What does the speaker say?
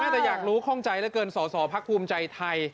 แต่อยากรู้ข้องใจเหลือเกินสอสอพักภูมิใจไทย